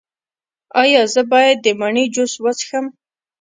ایا زه باید د مڼې جوس وڅښم؟